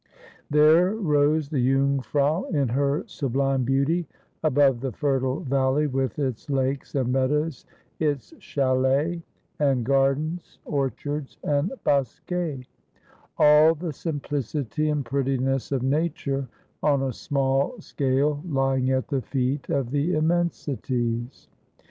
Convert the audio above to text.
There rose the Jungfrau in her sublime beauty, above the fertile valley with its lakes and meadows, its chalets and u 306 Asphodel. gardens, orchards and bosquets ; all the simplicity and prettiness of Nature on a small scale lying at the feet of the immensities.